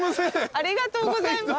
ありがとうございます。